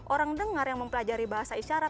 orang dengar yang mempelajari bahasa isyarat